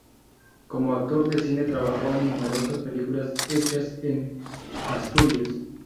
Como actor de cine trabajó en numerosas películas hechas en Asturias.